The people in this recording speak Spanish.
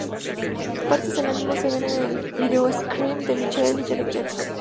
Partes del anime se ven en el vídeo Scream de Michael y Janet Jackson.